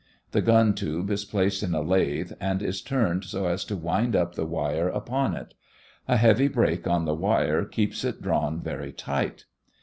The gun tube is placed in a lathe, and is turned so as to wind up the wire upon it. A heavy brake on the wire keeps it drawn very tight.